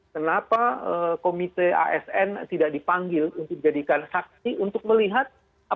kenapa komite asn tidak dipanggil untuk jadikan saksi untuk melihat